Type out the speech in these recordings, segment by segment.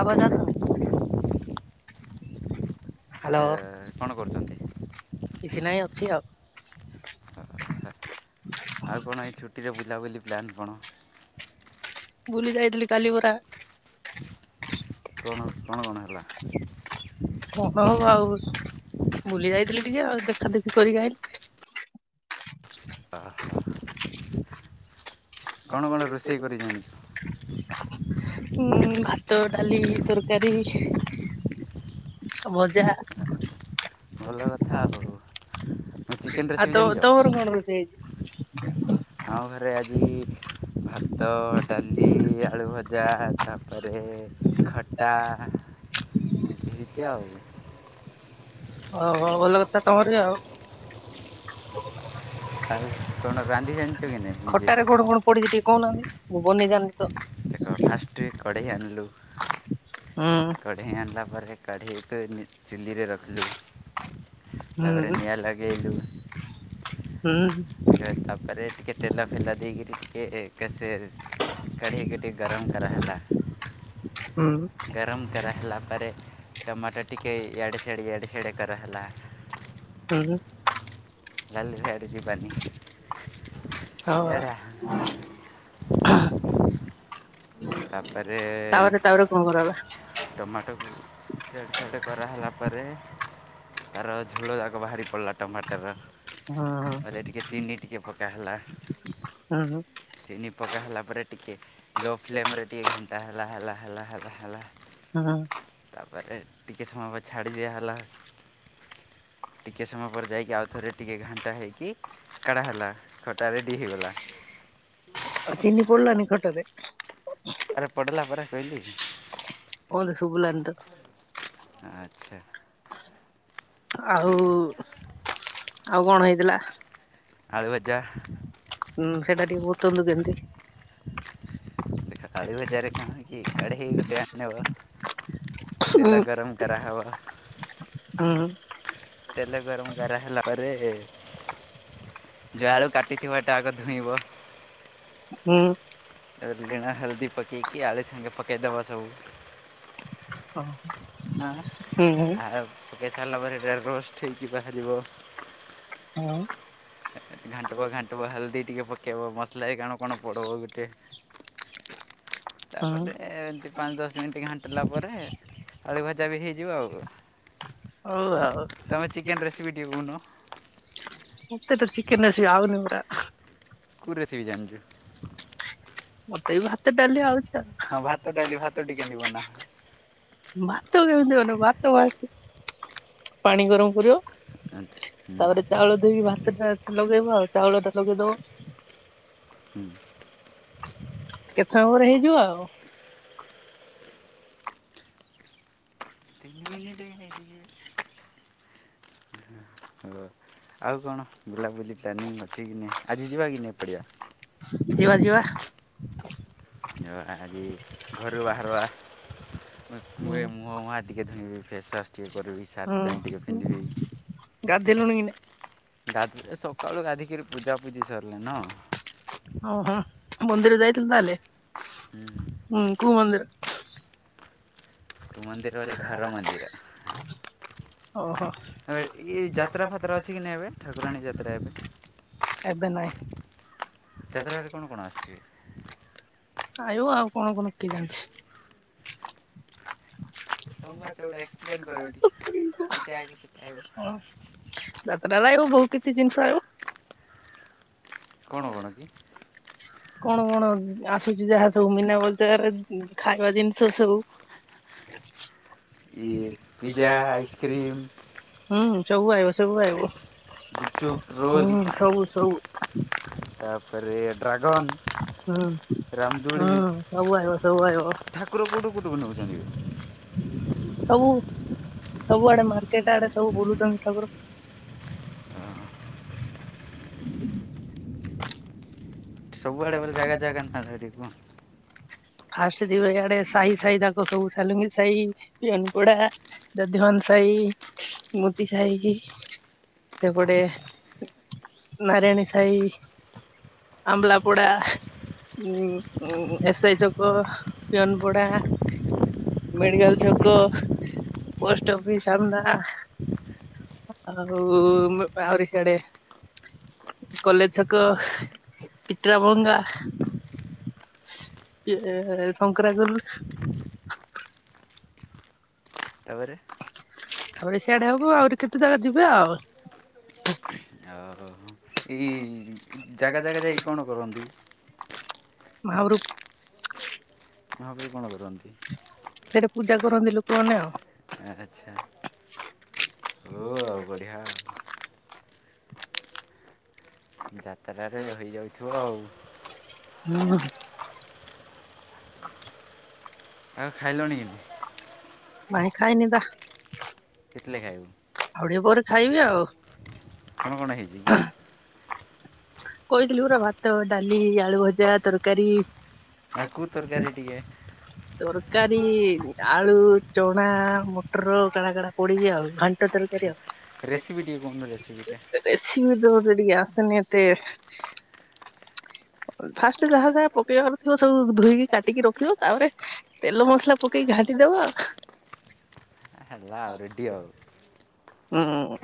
ଆବାଜ ଆସୁନି ହ୍ୟାଲୋ ଏ କଣ କରୁଛନ୍ତି? କିଛି ନାହିଁ ଅଛି ଆଉ। ହଁ ଆଉ କଣ ଏଇ ଛୁଟିରେ ବୁଲାବୁଲି ପ୍ଲାନ୍ କଣ? ବୁଲି ଯାଇଥିଲି କାଲି ପରା। କଣ କଣ କଣ ହେଲା? କଣ ହବ ଆଉ ବୁଲି ଯାଇଥିଲି ଟିକେ ଆଉ ଦେଖା ଦେଖି କରିକି ଆଇଲି। ଆହା କଣ କଣ ରୋଷେଇ କରିଚନ୍ତି? ଉଁ ଭାତ ଡାଲି ତରକାରୀ। ଭଜା ଭଲ କଥା ଆଉ ତୁମେ ଚିକେନ୍ ରେସିପି ଜାଣିଛ? ତୁମର କଣ ରୋଷେଇ ହେଇଛି? ଆମ ଘରେ ଆଜି ଭାତ ଡାଲି ଆଳୁ ଭଜା ତାପରେ ଖଟା ହଁ [inaudible] ଏମିତି ହେଇଛି ଆଉ ହଉ ହଉ ଭଲ କଥା ତମରି ଆଉ ଆଉ କ'ଣ ରାନ୍ଧି ଜାଣିଛ କି ନାହିଁ ନିଜେ ଖଟାରେ କଣ କଣ ପଡିଛି ଟିକେ କହୁନାହାନ୍ତି ମୁଁ ବନେଇ ଜାଣିନି ତ ଦେଖ ଫାଷ୍ଟରେ କଢ଼େଇ ଆଣିଲୁ ହୁଁ। କଢ଼େଇ ଆଣିଲା ପରେ କଢ଼େଇକୁ ନେ ଚୁଲିରେ ରଖିଲୁ। ତାପରେ ହୁଁ ନିଆଁ ଲଗେଇଲୁ। ହୁଁ। ହେ ତାପରେ ଟିକେ ତେଲ ଫେଲ ଦେଇକିରି ଟିକେ ଟେଷ୍ଟ କଢ଼େଇକୁ ଟିକେ ଗରମ କରାହେଲା। ହୁଁ ଗର ଗରମ କରାହେଲା ପରେ ଟମାଟୋ ଟିକେ ଇଆଡ଼େ ସିଆଡ଼େ ଇଆଡ଼େ ସିଆଡ଼େ କରାହେଲା। ତୋର କାଲି ସିଆଡେ ଯିବାନି। ଆଉ ଆ। ଇଆଡ଼େ ତାପରେ ତାପରେ ତାପରେ କଣ କରାହେଲା? ଟମାଟୋକୁ ଛେଡ଼୍ ଛେଡ଼ କରାହେଲା ପରେ ତାର ଝୋଳ ଯାକ ବାହାରି ପଡିଲା। ଟମାଟର ହୁଁ ବୋଇଲେ ଟିକେ ଚିନି ଟିକେ ପକା ହେଲା। ହୁଁ ଚିନି ପକା ହେଲା ପରେ ଟିକେ ଲୋ ଫ୍ଲେମରେ ଟିକେ ଘାଣ୍ଟା ହେଲା ହେଲା ହେଲା ହେଲା ହେଲା। ହଁ। ତାପରେ ଟିକେ ସମୟ ବା ଛାଡ଼ି ଦିଆହେଲା। ଟିକେ ସମୟ ପରେ ଯାଇକି ଆଉଥରେ ଟିକେ ଘାଣ୍ଟା ହେଇକି କାଢ଼ା ହେଲା। ଖଟା ରେଡି ହେଇଗଲା। ଆଉ ଚିନି ପଡ଼ିଲାନି ଖଟାରେ। ଆରେ ପଡ଼ିଲା ପରା କହିଲି। କୋଉଠି ସୁଭିଲାନି ତ। ଆଚ୍ଛା। ଆଉ ଆଉ କଣ ହେଇଥିଲା? ଆଳୁ ଭଜା। ହୁଁ ସେଟା ଟିକେ ବହୁତନ୍ତୁ କେମିତି? ଦେଖ ଆଳୁ ଭଜାରେ କଣ କି କଢ଼େଇ ଗୋଟେ ଆଣିବ ହୁଁ ତେଲ ଗରମ କରା ହେବ। ହୁଁ। ତେଲ ଗରମ କରା ହେଲା ପରେ ଯୋଉ ଆଳୁ କାଟିଥିବା ତା ଆଗ ଧୋଇବ। ହୁଁ। ତାପରେ ଲୁଣ ହଳଦୀ ପକେଇକି ଆଳୁ ସାଙ୍ଗେ ପକାଇଦେବା ସବୁ। ହଉ। ଆ ହୁଁ। ସାର ପକାଇ ସାରିଲା ପରେ ଏଇଟା ରୋଷ୍ଟ ହେଇକି ବାହାରିବ। ଆଉ। ଘାଣ୍ଟିବ ଘାଣ୍ଟିବ ହଳଦି ଟିକେ ପକେଇବ ମସଲା ବି କଣ କଣ ପଡିବ ଗୋଟେ। ତାପରେ ଏମିତି ପାଞ୍ଚ ଦଶ ମିନିଟ୍ ଘାଣ୍ଟିଲା ପରେ ଆଳୁ ଭଜା ବି ହେଇଯିବ ଆଉ। ହଉ ଆଉ ତମେ ଚିକେନ ରେସିପି ଟିକେ କହୁନ? ମତେ ତ ଚିକେନ ରେଶିପି ଆଉନି ପରା। କୋଉ ରେସିିପି ଜାଣିଚୁ? ମତେ ବି ଭାତ ଡାଲି ଆଉଛି ଆଉ ଭାତ ଡାଲି ଭାତ ଟିକେ ଭାତ କେମିତି ବନେଇବ ଭାତ ବାଲ୍ଟି ପାଣି ଗରମ କରିବ ତାପରେ ଚାଉଳ ତାପରେ ଦେଇ କି [unintelligible] ଆଉ। ଚାଉଳଟା [inaudible] କେତେ ସମୟ ପରେ ହେଇଯିବ ଆଉ ତିନି ହ ଆଉ କଣ ବୁଲାବୁଲି ପ୍ଲାନିଙ୍ଗ ଅଛି କି ନାହିଁ ଆଜି ଯିବା କି ନାଇ ପଡ଼ିଆ? ଯିବା ଯିବା। ଆଜି ଘରୁ ବାହାରୁଆ ମୁ ହୁଁ ମୁହଁ ମୁହାଁ ଟିକେ ଧୋଇଁବି। ଫେସୱାସ୍ ଟିକେ କରିବି। ସାର୍ଟ ପ୍ୟାଣ୍ଟ ଟିକେ ପିନ୍ଧିବି। ଗାଧେଇଲୁଣି କି ନାଇଁ? ଗାଧେ ସକାଳୁ ଗାଧିକିରି ପୂଜାପୂଜି ସାରିଲେ ନ। ଓ ହୋ ମନ୍ଦିର ଯାଇଥିଲୁ ତାହେଲେ? ହୁଁ। ହୁଁ କୋଉ ମନ୍ଦିର? ମନ୍ଦିର ମାନେ ଘର ମନ୍ଦିର। ଓହୋ ଏ ଯାତ୍ରା ଫାତ୍ରା ଅଛି କି ନାହି ଏବେ ଠାକୁରାଣୀ ଯାତ୍ରା ଏବେ। ଏବେ ନାହିଁ। ଯାତ୍ରାରେ କଣ କଣ ଆସିଛି? ଖାଇବ ଆଉ କଣ କଣ କିଏ ଜାଣିଛି? ତମେ ବା ଯୋଉଟା ଏକ୍ସପ୍ଲେନ୍ କରିବ ଟିକେ [unintelligible] ଏଇଟା ଆଇବ ସେଟା ଆଇବ ଯାତ୍ରା ରହିବ ବହୁତ କିଛି ଜିନିଷ ଆଇବ। କଣ ହେଲା କି? କଣ କଣ ଆସୁଛି ଯାହା ସବୁ ମୀନା ବଜାରରେ ଖାଇବା ଜିନିଷ ସବୁ। ଇ ଏ ପିଜା ଆଇସ୍କ୍ରିମ୍। ହୁଁ ସବୁ ଆଇବ ସବୁ ଆଇବ। ଗୁପଚୁପ ରୋଲ ହୁଁ ସବୁ ସବୁ ତାପରେ ଡ୍ରାଗନ ହୁଁ ହୁଁ ସବୁ ଆଇବ ସବୁ ଆଇବ। ଠାକୁର କୋଉଠୁ କୋଉଠୁକୁ ନେଉଛନ୍ତି ସବୁ ସବୁ ଆଡେ ମାର୍କେଟ ଆଡେ ସବୁ ବୁଲୁଛନ୍ତି ଠାକୁର। ସବୁଆଡେ ବେଲେ ଜାଗା ଜାଗା ଟିକେ କୁହନ୍ତୁ? ଫାଷ୍ଟ ଯିବ ଇଆଡେ ସାହି ସାହି ତାକୁ ସବୁ ସାଲୁଙ୍ଗି ସାହି ୟନପଡା। ଯଧିବାମନ ସାହି ମୋତି ସାହିକି ସେପଟେ ନାରାୟଣୀ ସାହି। ଆମ୍ଳାପଡା ଉ ଏସାଇ ଛକ ପିଅନ ପଡା ମେଡିକାଲ ଛକ ପୋଷ୍ଟ ଅଫିସ ସାମ୍ନା। ଆଉ ଆହୁରି ସ୍ୟାଡେ କଲେଜ ଛକ ପିଟ୍ରାଭଙ୍ଗା। [unintelligible] ତାପରେ? ତାପରେ ସିଆଡେ ହବ। ଆହୁରି କେତେ ଜାଗା ଯିବେ ଆଉ? ଆଉ ଏଇ [inaudible] ଜାଗା ଜାଗା ଯାଇ କଣ କରନ୍ତି? ମହାପ୍ରଭୁ ମହାପ୍ରଭୁ କଣ କରୁଚନ୍ତି? ସେଟା ପୂଜା କରନ୍ତି ଲୋକମାନେ ଆଉ। ଆଚ୍ଛା ହଉ ଆଉ ବଢ଼ିଆ। ଯାତ୍ରାରେ ରହିଯାଉଥିବ ଆଉ। [unintelligible] ଆଉ ଖାଇଲଣି? ନାଇଁ ଖାଇନିି ବା। କେତେବେଳେ ଖାଇବୁ? ଆଉ ଟିକେ ପରେ ଖାଇବି ଆଉ। କଣ କଣ ହେଇଚି କି? କହିଥିଲି ପରା ଭାତ, ଡାଲି, ଆଳୁ ଭଜା, ତରକାରୀ। ଆଉ କେଉଁ ତରକାରୀ ଟିକେ [unintelligible] ତରକାରୀ ଆଳୁ ଚଣା ମଟର [unintelligible] ପୋଡିଚି ଆଉ ଘାଣ୍ଟ ତରକାରୀ ଆଉ। ରେସିପି ଟିକେ କହୁନ ରେସିପି ଟିକେ। ରେସିପି ବି ତ ମୋତେ ଟିକେ ଆସେନି ଏତେ ଫାଷ୍ଟ ଯାହା ଯାହା ପକେଇବାରଥିବ ସବୁ ଧୋଇକି କାଟିକି ରଖିବ ତାପରେ ତେଲ ମସଲା ପକେଇକି ଘାଣ୍ଟି ଦବ ଆଉ। ହେଲା ଆଉ ରେଡ଼ି ଆଉ। ହୁଁ ହୁଁ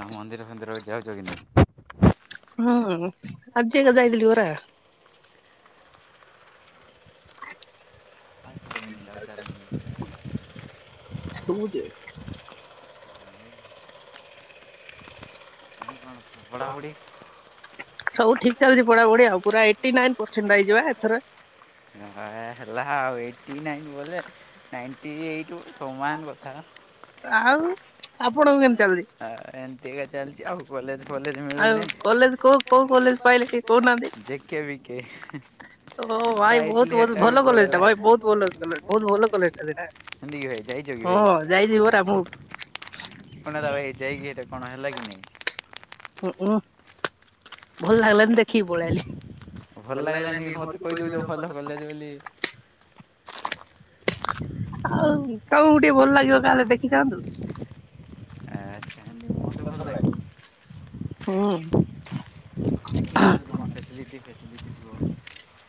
ଆଉ ମନ୍ଦିର ଫନ୍ଦିରକୁ ଯାଉଚ କି ନାହିଁ? ହୁଁ ଆଜି ଏକା ଯାଇଥିଲି ପରା। [inaudible] [inaudible] [unintelligible] ଆଉ କ'ଣ ପଢ଼ାପଢ଼ି ସବୁ ଠିକ୍ ଚାଲିଚି ପଢା ପଢି ଆଉ ପୁରା ଏଇଟି ନାଇନ୍ ପରସେଣ୍ଟ ଆଇଯିବା ଏଥର। [unintelligible] ହେଲା ଆଉ ଏଇଟି ନାଇନ୍ ବେଲେ ନାଇଣ୍ଟି ଏଇଟ୍ ସମାନ କଥା। ଆଉ ଆପଣଙ୍କୁ କେମିତି [unintelligible] ଆ ଏମତିକା ଚାଲିଚି ଆଉ। କଲେଜ ଫଲେଜ ଆଉ ମିଳୁନି କଲେଜ କୋଉ କୋଉ କଲେଜ ପାଇଲେ କି? ଯେକେ ବିକେ ଓ ଭାଇ ବହୁତ ଭଲ ଭଲ କଲେଜଟା ଭାଇ ବହୁତ ଭଲ କଲେଜ ବହୁତ ଭଲ କଲେଜଟା ସେଇଟା। ଏମିତିକି ଭାଇ ଯାଇଚ କି ଭାଇ? ହଁ ଯାଇଛି ପରା ମୁଁ କଣ ହେଲା ଭାଇକି ଯାଇକି ଏଇଟା କଣ ହେଲା କି? [unintelligible] ଭଲ ଲାଗିଲାନି ଦେଖିକି ପଳେଇଆଇଲି। ଭଲ ଲାଗିଲାନି ମୋତେ ମତେ କହିଦେଉଛ କହିଦ ଭଲ କଲେଜ ବୋଲି [unintelligible] ଆଉ ତମକୁ ଟିକେ ଭଲ ଲାଗିବ କାଳେ ଦେଖିଥାନ୍ତୁ? ଆଚ୍ଛା ହେନ୍ତି ମତେ ମୋତେ ଲାଗିବ ଭଲ ଲାଗେ। ହୁଁ ଆଃ ଫାସିଲିଟି ଫାସିଲିଟି [unintelligible]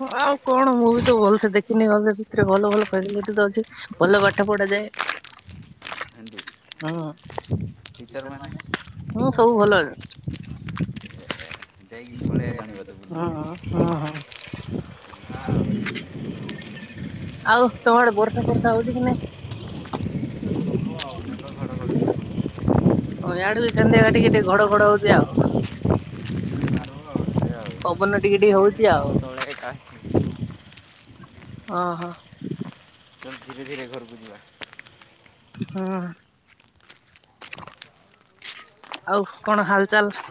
ହଁ ଆଉ କଣ ମୁଁ ବି ତ ଭଲ ସେ ଦେଖିନି ଭଲ ସେ ଭିତରେ ଭଲ ଭଲ ଫାସିଲିଟି ତ ଅଛି। ଭଲ ପାଠ ପଢ଼ାଯାଏ ହେନ୍ତି ହଁ। ଟିଚର ଟିଚର୍ମାନେ ମାନେ ହୁଁ ସବୁ ଭଲ ଅ। ଏ, ଯାଇକି ପଳେଇ ହୁଁ ଆଇଲାଣି ବୋଧେ ବୁଲିକି ହୁଁ ହୁଁ ହୁଁ। ଆଉ ତମଆଡେ ବର୍ଷା ଫର୍ଷା ହଉଛି କି ନାଇ? ହବ ଆଉ ମେଘ ଘଡଘଡି ସହ। ହଁ ୟାଡେ ବି ସେମିତିଆ ଟିକେ ଟିକେ ଘଡ ଘଡ ହଉଛି ଆଉ। ଆଉ ପବନ ଟିକେ ଟିକେ ଇଏଟ୍ରି ହଉଛି ଆଉ। [unintelligible] ଅ ହଁ। ଚଲ ଧୀରେ ଧୀରେ ଘରକୁ ଯିବା ହଁ ଆଉ କଣ ହାଲଚାଲ?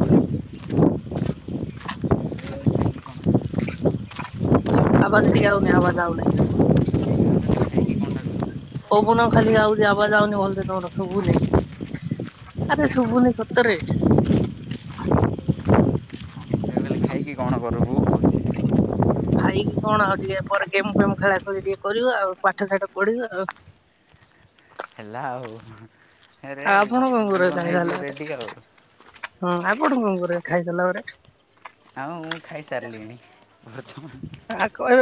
[inaudible] ଆବାଜ ଟିକେ ଆଉନେଇ ଆବାଜ ଆଉନି। ଖାଇକି କ'ଣ ପବନ ଖାଲି ଆଉଛି ଆବାଜ ଆଉନି ଭଲ ସେ ତମର ଶୁବୁନି। ଆରେ ଶୁଭୁନି ସତରେ। କହିଲେ ଖାଇକି କଣ କରିବୁ? ଖାଇକି କଣ ଆଉ ଟିକେ ପରେ ଗେମ ଫେମ ଖେଳା ଖେଳି ଟିକେ କରିବା ଆଉ ପାଠ ସାଠ ପଢିବ ଆଉ। ଯା ହୋଉ। ଆଉ କଣ [unintelligible] ତାହେଲେ। ରେଡ଼ି ଆଉ ହୁଁ ଆପଣ କଁ କରିବେ ଖାଇସାରିଲା ପରେ? ଆଉ ମୁଁ ଖାଇସାରିଲିଣି ଭାତ। [unintelligible] ଏବେ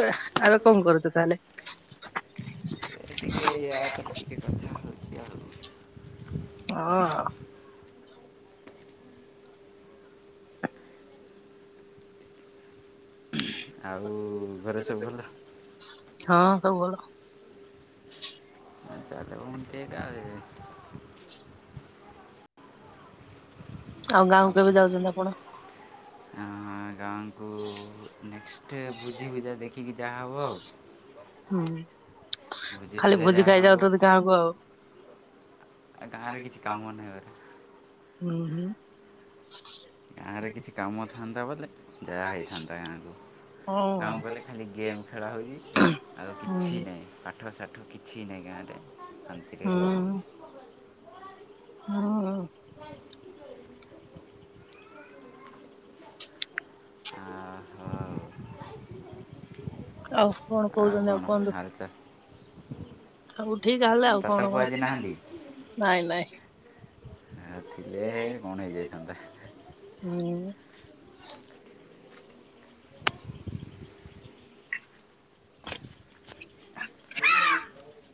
ଏବେ କଣ କରୁଚୁ ତାହେଲେ? ଏ ଆପରେ ଟିକେ କଥା ହଉଚି ଆଉ। ଅ। ଆଉ ଘରେ ସବୁ ଭଲ [unintelligible] ହଁ ସବୁ ଭଲ। [unintelligible] ଆଉ ଗାଁକୁ କେବେ ଯାଉଚନ୍ତି ଆପଣ? ଆଁ ଗାଁଙ୍କୁ ନେକ୍ସଟ ଭୋଜି ଭୁଜା ଦେଖିକି ଯାହାହବ ଆଉ। ହୁଁ, ଖାଲି ବୁଝିଥିଲେ ଭୋଜି ଯାହା ହବ ଖାଇଯାଉଚନ୍ତି ଗାଁ କୁ ଆଉ। ଆଉ ଗାଁରେ କିଛି କାମ ନାହିଁ ଗରେ। ହୁଁ ହୁଁ। ଗାଁରେ କିଛି କାମ ଥାଆନ୍ତା ଭଲେ ଯାହା ହେଇଥାନ୍ତା ଗାଁକୁ। ଗାଁକୁ ଗଲେ ଖାଲି ଗେମ୍ ଖେଳା ହଉଛି ଆଉ ହୁଁ କିଛି ନାହିଁ। ପାଠ ସାଠ କିଛି ନାହିଁ ଗାଁରେ ଶାନ୍ତିରେ ରୁଆ ହଉଛି। ହଁ ଅ। ଆଉ କଣ [unintelligible] ଆଉ କହୁଛନ୍ତି କଣ ହାଲଚାଲ? ସବୁ ଠିକ ହେଲେ ଆଉ ଦାଦା କଣ କଣ ପୁଅ ଆଜି [unintelligible] ନାଇଁ ନାଇଁ। ଆ ଥିଲେ କଣ ହେଇଯାଇଥାନ୍ତା। ହୁଁ। [inaudible] [inaudible]